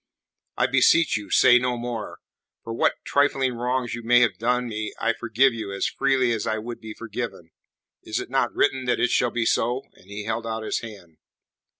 "I beseech you, say no more. For what trifling wrongs you may have done me I forgive you as freely as I would be forgiven. Is it not written that it shall be so?" And he held out his hand.